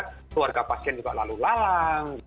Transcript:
keluarga pasien juga lalu lalang